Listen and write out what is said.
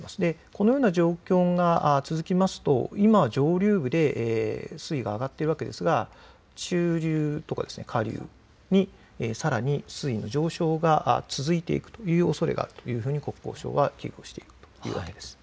このような状況が続きますと今は上流部で水位が上がっているわけですが中流とか下流にさらに水位の上昇が続いていくというおそれがあるというふうに国交省は危惧しています。